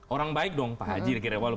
orang baik dong pak haji